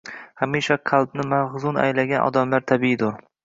Hamisha qalbni mahzun aylagan damlar tabiiydur